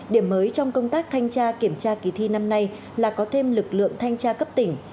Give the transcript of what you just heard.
điểm mới trong công tác thanh tra kiểm tra kỳ thi năm nay là có thêm lực lượng thanh tra cấp tỉnh